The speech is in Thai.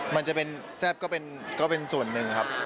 มันจะเป็นแซ่บก็เป็นส่วนหนึ่งครับ